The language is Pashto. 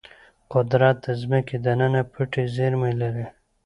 قدرت د ځمکې دننه پټې زیرمې لري.